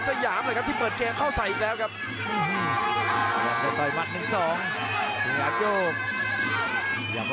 สายยามที่เปิดเกงเข้าใสอีกแล้ว